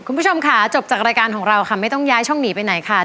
คุณผู้ชมค่ะจบจากรายการของเราค่ะไม่ต้องย้ายช่องหนีไปไหนค่ะ